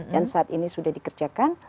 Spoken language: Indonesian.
saat ini sudah dikerjakan